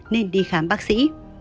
nên đi khám bác sĩ